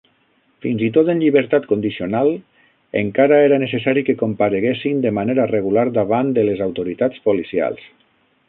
Fins i tot en llibertat condicional, encara era necessari que compareguessin de manera regular davant de les autoritats policials.